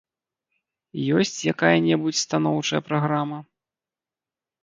Ёсць якая-небудзь станоўчая праграма?